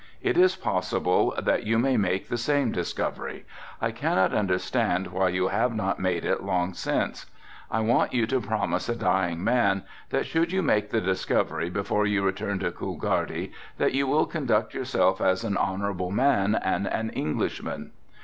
It is possible that you may make the same discovery, I cannot understand why you have not made it long since. I want you to promise a dying man that should you make the discovery before you return to Coolgardie that you will conduct yourself as an honorable man and an Englishman."